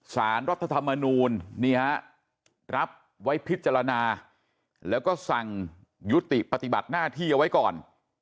สารรัฐธรรมนูลนี่ฮะรับไว้พิจารณาแล้วก็สั่งยุติปฏิบัติหน้าที่เอาไว้ก่อน